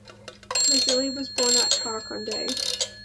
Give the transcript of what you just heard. Mazzilli was born at Caconde.